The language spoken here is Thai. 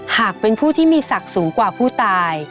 หากเป็นผู้ที่มีศักดิ์สูงกว่าผู้ตาย